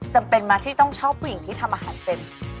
จำเป็นไหมที่ต้องชอบผู้หญิงที่ทำอาหารเป็น